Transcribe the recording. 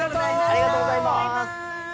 ありがとうございます！